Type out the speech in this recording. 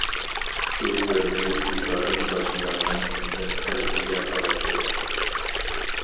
شۇ سەۋەبلىك ئۇ دائىم باشقىلارنىڭ مەسخىرىسىگە قالاتتى.